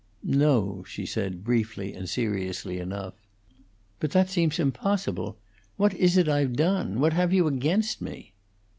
"No," she said, briefly and seriously enough. "But that seems impossible. What is it I've done what have you against me?"